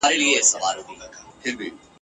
په هر شعر کي یې د افغان اولس ناخوالو ته !.